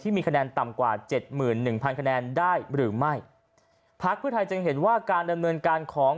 ที่มีคะแนนต่ำกว่า๗๑๐๐๐คะแนนได้หรือไม่พักพฤทธัยจึงเห็นว่าการดำเนินการของ